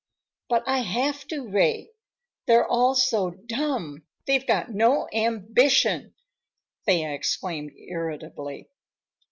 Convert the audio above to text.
"But I have to, Ray. They're all so dumb. They've got no ambition," Thea exclaimed irritably.